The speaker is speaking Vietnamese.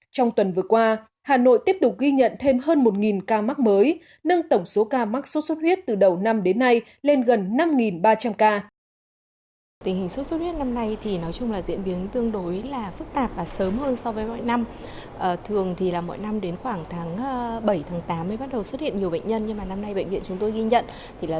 trong tuần vừa qua hà nội tiếp tục ghi nhận thêm hơn một ca mắc mới nâng tổng số ca mắc sốt xuất huyết từ đầu năm đến nay lên gần năm ba trăm linh ca